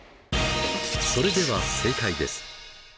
それでは正解です。